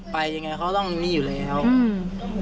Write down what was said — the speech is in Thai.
ไปยังไงเขาต้องมีอยู่แล้ว